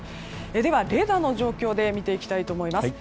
では、レーダーの状況で見ていきたいと思います。